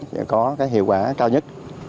để có hiệu quả cao nhất